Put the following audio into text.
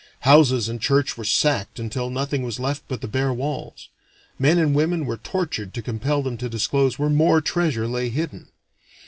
Houses and churches were sacked until nothing was left but the bare walls; men and women were tortured to compel them to disclose where more treasure lay hidden.